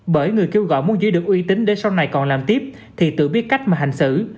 bởi người kêu gọi muốn giữ được uy tín để sau này còn làm tiếp thì tự biết cách mà hành xử